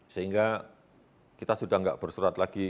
sehingga kita sudah tidak bersurat lagi